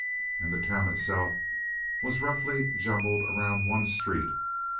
And the town itself was roughly jumbled around one street.